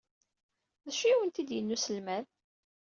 D acu ay awent-d-yenna uselmad?